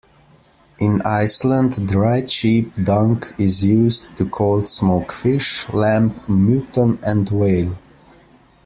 In Iceland, dried sheep dung is used to cold-smoke fish, lamb, mutton and whale.